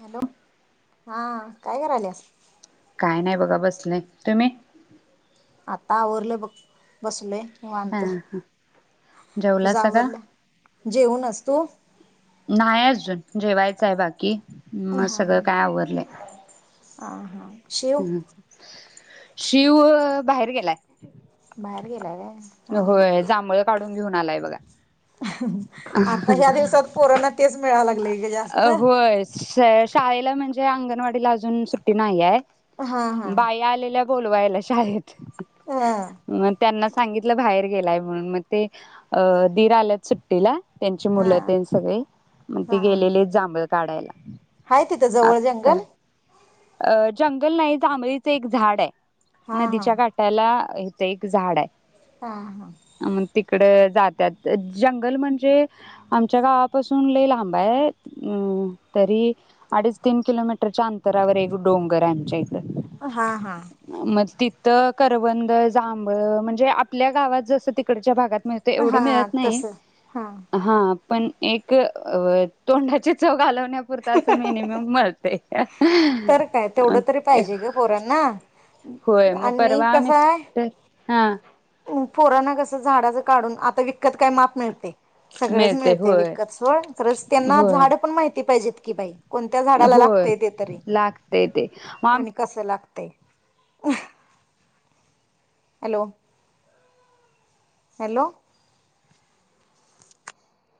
Hello हा काय करायल्यास? काय नाय बघा बसलय तुम्ही आता आवरलं बग बसलोय. हा निवांत ह तुझं जेवलासा का? आवरलं जेवूनच तू न्ह्याय अजून जेवायचय बाकी म सगळं काय आवरलंय आ हां हम्म शिव बाहेर गेलाय. बाहेर गेलाय व्हय हा हा होय जांभळ काढून घेऊन आलाय बघा आता ह्या दिवसात पोरानां तेच मिळाला लय ग जास्त श शाळेला म्हणजे अंगणवाडीला अजून सुट्टी नाहीये. हा हा बाई आलेल्या बोलवायला शाळेत हा म त्यांना सांगितलं बाहेर गेलाय म्हणून मग ते अ दीर आल्यात सुट्टीला त्यांची हा मुलं तेन सगळी मंग ते हा हा. गेलेले जांभळ काडायला. हाय तिथं जवळ जंगल अ जंगल नाही जांभळीचं एक झाडाय. हा नदीच्या काट्याला इथे एक झाडाय हा हा इकड जात्यात जंगल म्हणजे आमच्या गावापासून लयी लांबाय अ तरी अडीच तीन किलोमीटरच्यां अंत तरावर एक डोंगर आमच्या इथ हा हा करवंद जांभळ म्हणजे आपल्या गावात जसं तिकडच्या भागात मिळतय हा एवढं हा मिळत नाइ तस हा हा पण एक तोंडाची चव घालवण न्या पुरतं आस मिनिमम मळ [inaudible] तर काय तेवढं तरी पाहिजे ग पोरांना होय मग परवा मिस्टर हा पोराना कस झाडाचं काढून आता विकत काय माप मिळतय सगळच मिळते मिळतय होय विकत सोड तरच त्यांना होय झाड पण माहिती पाहिजे. की बाई कोणत्या झाडाला होय लागतय ते तरी लागतय ते मग आम आणि कसं लागत? ते आह hello hello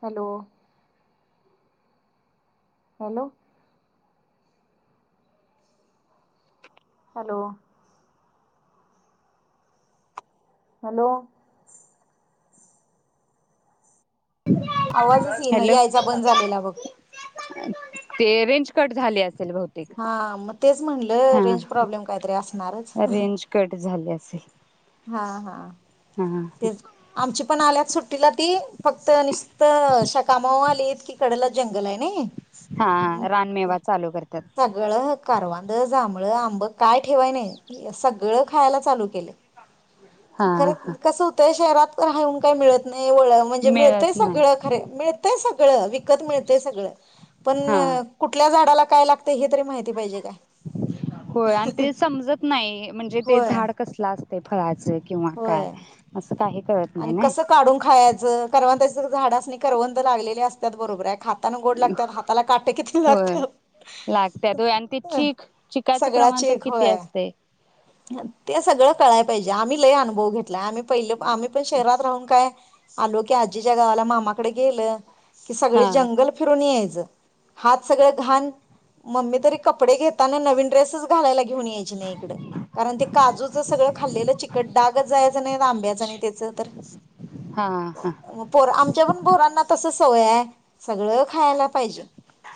hello hello hello hello आवाजच येन हॅलो यायचा बंद झालेला बघ? ते रेंज कट झाले हा मग तेच म्हटलं रेंज हा प्रॉब्लेम काहीतरी असणारच हाह रेंज कट [inaudible] हा हा हा तेच आमची पण आल्यात सुट्टीला ती फक्त निसत अशा कामाव आलित कि कडला जंगल हाय नी हा रानमेवा चालू करतात सगळं करवांध जाम - मूळ, आंबं काय ठेवाय नाही सगळं खायला चालू केलय हा खर हा कस होतंय? शहरात हऊन काही मिळत नाहीळ म्हणजे मिळतय मिळत नाही सगळं, खर मिळतय सगळं विकत मिळतय सगळं, पण हा कुठल्या झाडाला- काय लागतय हे तरी माहिती पाहिजे. काय होय. आणि ते समजत नाही म्हणजे ते होय झाड कसलं असत- ते फळाच. होय- नाही आणि ना कस काढून खायाचं [unintelligible] झाडास्नी करवन्द लागलेली असतात बरोबर, आहे [unintelligible] आन गोड लागतात. हाताला काट किती होय लागतात? लागत्यात होय आणि ते चीक चिकाचं सगळ प्रमाण तर चिक किती होय- असते ते सगळं कळाय पाहिजे. आम्ही लय अनुभव घेतलाय, आम्ही पहिले, आम्ही पण शहरात राहून काय आलो की, आजीच्या गावाला मामाकड गेलं- की सगळ हा जंगल फिरून याय- हात सगळ घाण मम्मी तर कपडे घेताना नवीन ड्रेसच घालायला [unintelligible] [unintelligible] यायची नाही इकड. काजूच सगळं खाल्लेलं चिकट डागच जायचं नाही आंब्याचं आणि त्याच तर. हा हा आमच्या पण पोरांना - तसं सवय हा सगळं खायला पाहिजे.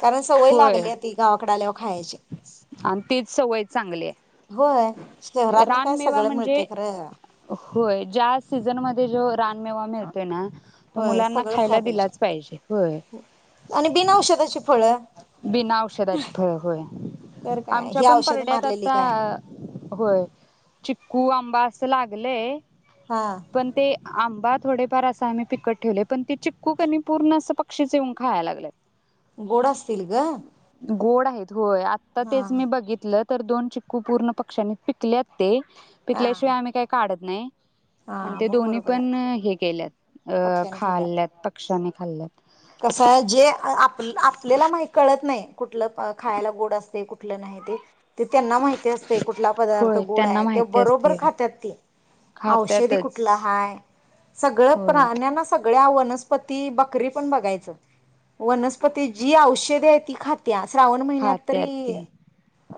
कारण सवय होय लागलीया ती गावाकड आल्यावर. खायचे. आणि तीच सवय चांगलीए. होय शहरातनी काय रानमेवा सगळं म्हणजे? मिळतंय खरं होय -ज्या सीझनमध्ये जो- रानमेवा मिळतोय ना? तो होय मुलांना सगळंच खाया खायला दिलाच होय पाहिजे आणि बिना औषधाची फळं. बिना औषधाची फळ, होय तर काय आमच्या ही पण औषधं परड्यात मारलेली आत्ता काय आ हो चिक्कु आंबअस ला- लागलय. हा पण ते- आंबा थोडेफार असं आम्ही पिकत ठेवलय, पण ते चिक्कु कनी पूर्ण अस पक्षीच येऊन खायाय लागल्यात गोड असतील ग. गोड हाइत. होय, आत्ता हा तेच मी बघितलं- तर दोन चिक्कु पूर्ण पक्ष्यांनी, पिकल्यात ते. हा पिकल्याशिवाय आम्ही काय काढत- नाइ? हा आणि ते मग दोन्ही बरोबर पण आहे हे केल्यात अ- खाल्ल्यात पक्ष्यांनी. खाल्ल्यात. कसय? जे आप आपल्याला काही कळत नाही कुठलं खायला गोड असतय? कुठलं नाही ते- ते त्यांना माहिती असतय कुठला पदार्थ होय त्यांना गोडाय? ते माहिती बरोबर असते खात्यात ते. औषधी कुठला खात्यातच हाय सगळं होय प्राण्यानां सग गळ्या वनस्पती बकरी पण बघायचं वनस्पती जी औषधी ती खात त्या श्रावण महीन्यात खात्यात तरी ते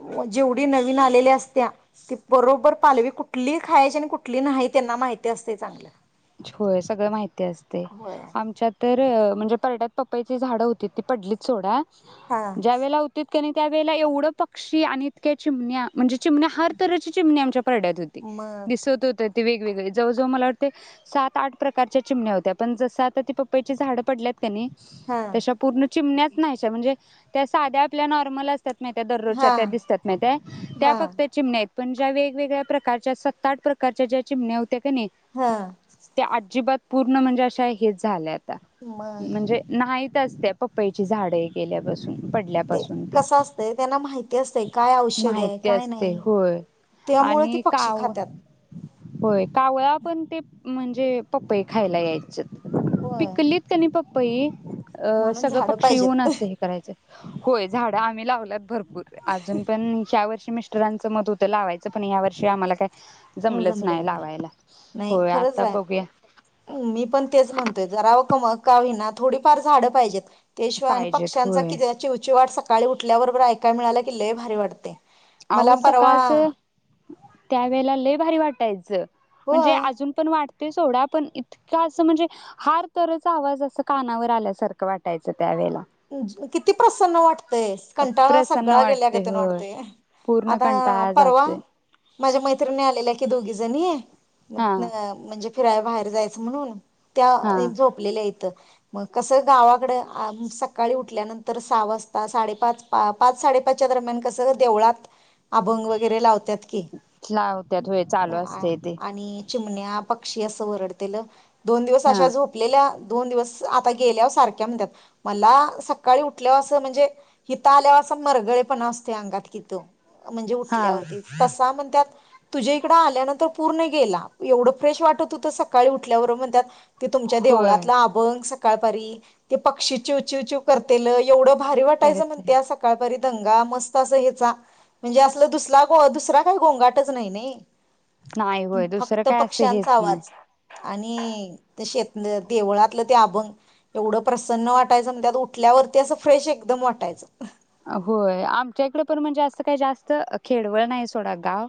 व जेवढ ती नवीन आलेल्या असत्या, ती बरोबर पालवी कुठली खायची आणि कुठली नाही त्यांना माहिती असतय चांगलं. छ होय सगळं माहित ती आसतय होय आमच्यात तर म्हणजे परड्यात पपईची झाडं होती ती पडलीत सोडा. हा ज्या वेळेला हुतीत कनी त्यावेेळेला एवढं पक्षी आणि इतक्या चिमण्या म्हणजे चिमण्या हर तरच्या चिमण्या आमच्या परड्यात होती. मग दिसत होती. ते वेगवेगळे जवळजवळ मला वाटते. सात आठ प्रकारच्या चिमण्या होत्या पण जसं आता ती पपईची झाडं पडल्यात. कणी, हा तश्या पूर्ण चिमण्याच नाहीश्या म्हणजे त्या साध्या आपल्या नॉर्मलच त्यात माहीत्याय दररोजच्या हा त्या दिसत्यात माहित्याय हा त्या फक्त चिमण्या पण ज्या वेगवेगळ्या प्रकारच्या सत्त आठ प्रकारच्या ज्या चिमण्या होत हा. अजिबात पूर्ण म्हणजे अशा हेच झाल्यात. मग म्हणजे नाहीत. त्याच त्या पप्पईची झाडं हे केल्या पासून ते कसं असतंय त्यांना माहिती असतंय काय औषधी आहे माहिती काय असते नाही होय त्यामुळे ते आणि पक्षी काव खात्यात. होय कावळा पण ते म्हणजे पपई खायला यायचत. होय पिकलीत कणी प पई अ म्हणून सगळं झाडं पक्षी येऊन पाहिजेत असं हे करायचं. होय झाड आम्ही लावल्यात भर पूर अजून पण ह्या वर्षी मिस्टरांचं मत होतं लावायचं पण या वर्षी आम्हाला काय जमलंच नाही लावायला होय. आ जाय, मी पण तेच म्हणतोय जरा व का मग का होईना थोडीफार झाडं पाहिजेत. त्याशिवाय आणि पाहिजेत पक्ष्यांचा होय. किज चिवचीवाट सक् काळी उठल्याबरोबर ऐकाय मिळाला की लय भारी वाटतंय. आहो सकाळच त्यावेेळेला लै भारी वाटायचं. म्हणजे होय अजून पण वाट ते सोडा पण इतक्या असं म्हणजे हार तरच आवाज असं कानावर आल्यासारखं वाटायचं. त्यावेेळेला. किती प्रसन्न वाटतय, कंटाळा प्रसन्न सगळा गेल्या वाटते गतीन होय वाटतय. पूर्ण कंटाळा जातोय. माझ्या मैत्रिणी आलेल्या की दोघी जणी [unintelligible] म हा म्हणजे फिरायला बाहेर जायचं म्हणून हा. त्या झोपलेल्या इथ. मग कसं गावाकड आमी स सकाळी उठल्यानंतर सहा वाजता, साडेपाच, पाच साडेपाचच्या दरम्यान कसं देवळात अभंग वगैरे लाव लावत्यात होय चालू अ असतंय ते. आणि चिमण्या पक्षी असं वरडतेलं. दोन दिवस हा अशा झोपलेल्या दोन दिवस आता गेल्यावर सारख्या म्हणतात मला सकाळी उठल्या असं म्हणजे हित आल्यावर मरगळे पणा असतोय अंगात हिथं. म्हणजे हा उठल्यावरती तसा म्हण त्यात तुझ्या इकडं आल्यानंतर पूर्ण गेला. एवढं फ्रेश वाटत होत सकाळी उठल्यावर म्हन त्यात ते तुमच्या होय देवळातला अभंग सकाळपारी ते पक्षी चिव चिव चिव करतेल एवढं भारी वाटायचं करत म्हणतिया सकाळपरी. दंगा मस्त अस हेचा म्हणजे असला दुसला दुसरा काही गोंगाटच नाही नी. नाही होय दुसरं फक्त काय असं पक्ष्यांचा हेच नाही आवाज आणि ते शेतन, देवळातलं ते अभंग एवढं प्रसन्न वाटायचं म त्यात उठ उटल्यावरती असं फ्रेश एकदम वाटायचं. होय आमच्या इकड पण मण जास्त काही जास्त खेडवळ नाही सोडा गाव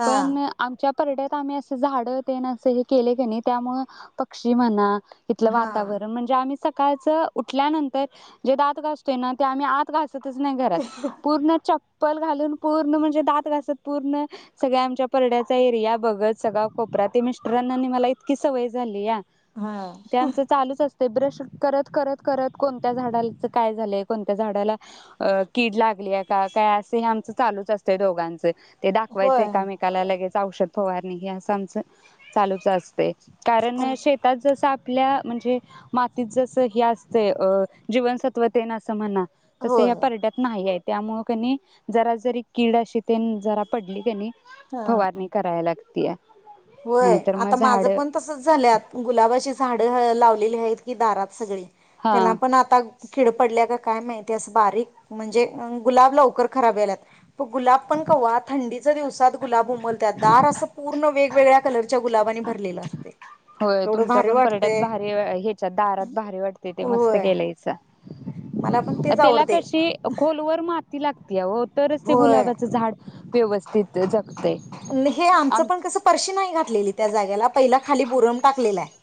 हा पण आमच्या परड्यात आम्ही असं झाड ते न असं हे केले की नाही त्यामुळ पक्षी म्हणा इथलं हा वातावरण म्हणजे आम्ही स सकाळचं उठल्यानंतर जे दात घासतोय ना ते आम्ही आत घा घासतच नाही घरात पुर्ण च पल घालून पूर्ण म्हणजे दात घासत पूर्ण सगळ्या आमच्या परड्याचा एरिया बघत सगळा कोपऱ ते मिस्टरांना मला इतकी सवय झाली या. हा. आमचं चालूच असते ते ब्रश करत करत करत कोणत्या झाडाच काय झालंय कोणत्या झाडाला अ कीड लागली आहे का काय असं हे आमचं चालूच असतंय दोघांचे. ते दाखवायचं होय एकामेकाला लगेच. औषध फवारणी हे असं आमचं चालूच असतय. कारण आणि शेतात जसं आपल्या म्हणजे मातीत जसं हे असतय अ जीवनसत्व तेन असं म्हणा तसं ह्या होय परडयात नाही आहेत. त्यामुळं कनी जरा जरी कीड अशी तेन जरा पडली कनी हा फवारणी कराय लागतीय. होय आता माझं पण तसच झाल्यात गुलाबाची झाडं ह लावलेली आहेत की दारात सगळी हा त्याला पण आता किड पडल्या का? काय माहिती असं बारीक म्हणजे अ गुलाब लवकर खराब व्हायल्यात. गुलाब पण कवा थंडीत चा दिवसात गुलाब उमलत्यात दार असं पूर्ण वेग वेगळ्या कलरच्या गुलाबानी भरलेलं असते. होय, तुमच्या पण परड्यात भारी वे ह्याच्यात दारात भारी वाटते ते मस्त होय केलंय सा. मला पण तेच त्याला आवडतय कशी खोलवर मात किती लागतीया ओ तरचं ते गुलाबाचं झाड व्यवस्थित ज ने हे आमचं पण कस परशी नाही घात तलेले, त्या जाग्याला पहिला खाली बुरम टाकलेला आहे.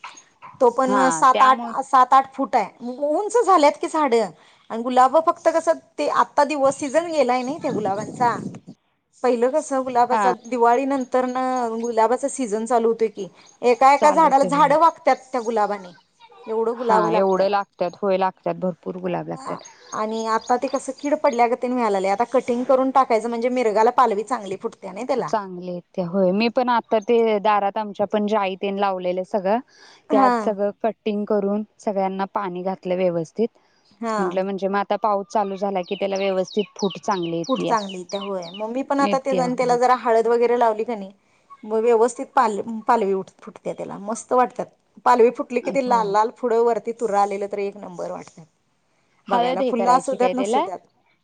तो पण हा सात-आठ, त्यामुळे सात-आठ फुट तय, उंच झाल्यात की झाडय आणि गुलाबं फक्त कसं ते आत ता दिवस सीझन गेलाय नाही त्या गुलाबांचा, पहिलं कसं हा गुलाबाचा दिवाळी नंतर ना गुलाबाचा सीझन चालू होतय की. एका-एका झाडाला चालवते होय झाडं वागत्यात त्या गुलाबाने एवढं, हा गुलाबं लागत्यात एवढं लाग त्यात होय लागतात भरपूर गुलाब लागतात आणि आता ते कसं किड पडल्या ग तीन मिळालेल्या, कटींग करून टाकायचं, म्हणजे मिरग्याला पालवी चांगली फुटत्या ना त्याला. चांगली इथे होय, मी पण आता ते दारात आमच्या पण जाई तेन असं लावलेलं सगळं हा त्यात सगळं कट टिंग करून सगळ्यांना पाणी घातलं व्यवस्थित. हा म्हंटलं म्हणजे मात आता पाऊस चालू झाला की त्याला व्यवस्थित फूट चांगली फूट येतीया चांगली येत्या होय, मग मी पण आता तेजं नित्या आणि होय त्याला हळद वगैरे लावली का नाही, मग व्यवस्थित पालं पालवी फुटते त्याला मस्त वाटत्यात. पालवी फुटली की ते होय लाल लाल पुढं वरती तूरा आलेलं तर एक नंबर वाटतात. हळद बघायला हे फुल्ल करायची असूद्यात, काय त्याला नसुद्यात.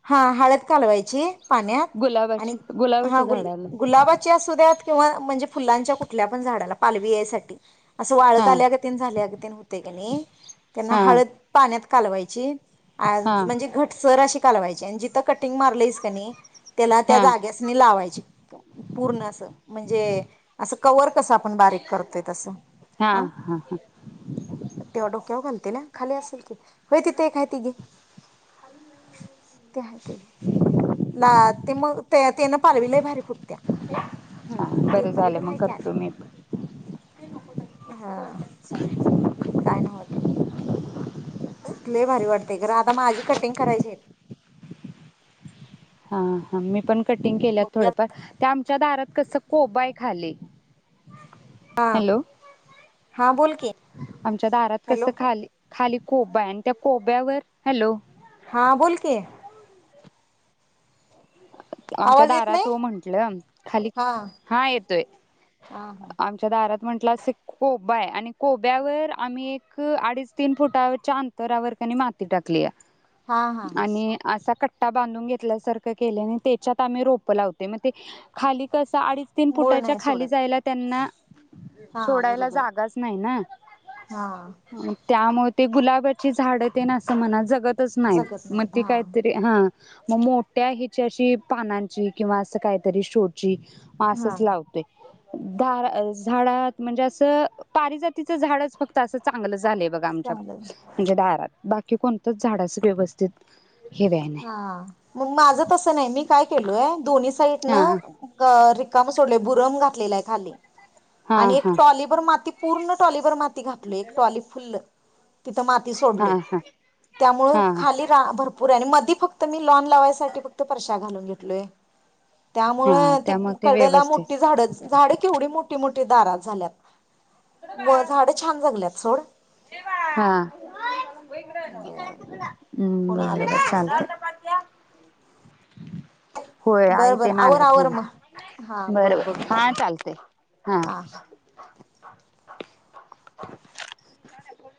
हा हळद घालवायची पाण्यात आणि गुलाबाच्या हा गुलाबाच्या झाडाला गुलाबाची असुद्यात किंवा म्हणजे फुलांच्या कुठल्यापण झाडाला पालवी यायसाठी असं हा वाळत आल्यागत तेन झाल्यागत हुतंय का नाही त्यांना हा हळद पाण्यात कालवायची. आज हा हा म्हणजे घटसर अशी कालवायची आणि जिथं कट कटिंग मारलंयस की नाही? त्याला त्या हा जाग्यासनी लावायची. पूर्ण असं म्हणजे असं कव्हर कसं आपण बारीक करतोय तसं. हा आ, हा तेव्हा डोक्यावर घालतेल्या? खाली असंल की. होय तिथे एक हाय ती घे, ती हाय. ना ते मग, तेत तेनं पालवी लय भारी फुटत्या. हा हम्म. ते बर झाले पलीकडे मग आहे की आणि करतो मीपण. हा. चालतंय. काय नव्हं ते. लय भारी वाटतंय, खरं आता माझी कटिंग करायची हाईत. हा हा मीपण कटिंग केल्यात थोडंफार त्या आम च्या दारात कसं कोबा हाय खाली. हा हॅलो हा बोल की आमच्या दारात हॅलो कसं खाली खाली कोबा आहे आणि त्या कोब्यावर हॅलो हा बोल की. आमच्या आवाज येत दारात नाही ओ म्हंटलं, खाली हा हा येतोय. हा हा आमच्या दारात म्हंटलं असं कोबा हाय आणि कोब्यावर आम्ही एक अडीच, तीन फुटाच्या अंतरावर का नाय माती टाकल्या. हा हा आणि असा कट्- ट्टा बांधून घेतल्यासारखं एक केले आणि तेच्यात आम्ही रोपं लावतोय, म ते खाली कसं हा अडीच, तीन मूळ फुटाच्या नाही खाली सोडत जायला त्यांना हा सोडायला बरोबर जागाच नाही ना, हा त्यामुळे ते गुलाबा ची झाड तेन अस मला ज, जगतच नाही. जगत मग नाहीत ती हा काहीतरी हा. म मोट्या ही, शशी पानांची किंवा असं काहीतरी शोची. हा मासच लावतोय झाड झाडात, म्हणजे असं पारिजातीचं झाडच फक्त असं चांगलं झालंय बघा आमच्या चांगलं म्हणजे दारात बाग. कि कोणतच झाडा असं व्यवस्थित, हे व्हाय हा नाही मग माझ तस, नाही मी काय केलय दोनी साईड, नो हा ग.. अ रिकाम सोडले बुरम घातलेला आहे खाल्ली. हा आणि एक हा टॉलीबर माती. पूर्ण टॉलीबर मात घातलोय एक टॉली फुल तिथं माती हा सोडलोय हा त्यामुळं हा हा खाली रा भरपूर भरपुर आणि मधी फक्त मी लॉन लावायसाठी फक्त फरश्या घालून घेतलोय. हा त्यामुळे ती त्यामुळे ते कडला व्यवस्थित मोठी झाडं, झाडं केवढी मोठी मोठी दारात झाल्यात म झाड छान जगल्यात सोड. हा. बरं हम्म कोण बर आलं बर का काय ग चालतयं. होय आई बरं बरं ते आवर आल्यात आवर न्हवे. मग हां बघ बर बघ बर हा घरातलं चालते. हा. हां [unintelligible]